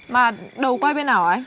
mà đầu quay bên nào ạ